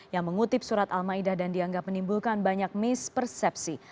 yang mengutip surat al ma'idah dan dianggap menimbulkan banyak mispersepsi